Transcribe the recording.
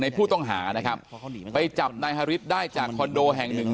ในผู้ต้องหานะครับเพราะเขาหนีมาไปจับนายฮฤษได้จากคอนโดแห่งหนึ่ง